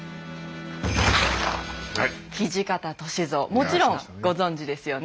もちろんご存じですよね？